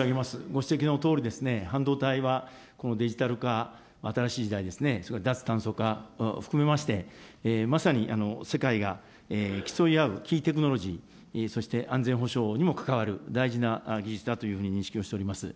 ご指摘のとおり、半導体はデジタル化、新しい時代ですね、脱炭素化を含めまして、まさに世界が競い合うキーテクノロジー、そして安全保障にも関わる大事な技術だというふうに認識をしております。